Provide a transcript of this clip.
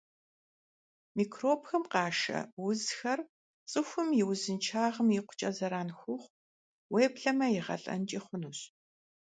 Микробхэм къашэ узхэр цӀыхум и узыншагъэм икъукӀэ зэран хуохъу, уеблэмэ игъэлӀэнкӀи хъунущ.